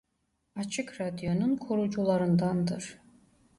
Açık Radyo'nun kurucularındandır.